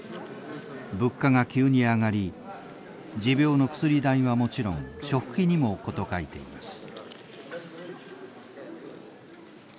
物価が急に上がり持病の薬代はもちろん食費にも事欠いています。